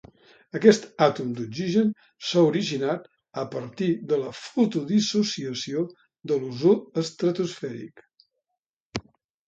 Aquest àtom d'oxigen s'ha originat a partir de la fotodissociació de l'ozó estratosfèric.